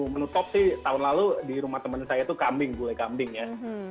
menu top sih tahun lalu di rumah teman saya itu kambing gulai kambing ya